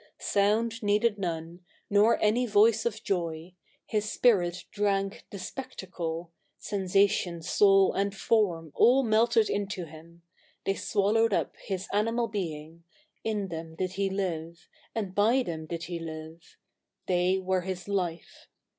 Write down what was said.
Sound needed none, Nor any voice of joy ; his spirit drank The spectacle : sensation, soul, and form, All melted into him ; they swallowed up His animal being ; in them did he live, And by them did he live ; they were his life.